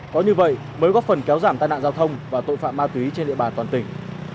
có như vậy mới góp phần kéo giảm tai nạn giao thông và tội phạm ma túy trên địa bàn toàn tỉnh